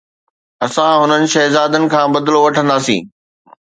اسان هنن شهزادن کان بدلو وٺنداسين